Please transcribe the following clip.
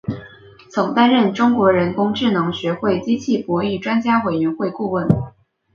曾担任中国人工智能学会机器博弈专业委员会顾问。